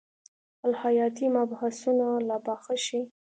الهیاتي مبحثونه لا پاخه شي.